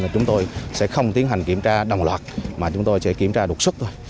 chúng tôi sẽ không tiến hành kiểm tra đồng loạt mà chúng tôi sẽ kiểm tra đột xuất thôi